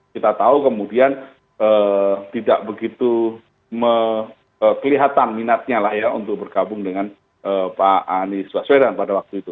kita tahu kemudian tidak begitu kelihatan minatnya lah ya untuk bergabung dengan pak anies baswedan pada waktu itu